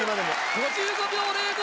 ５５秒０５。